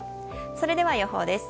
それでは予報です。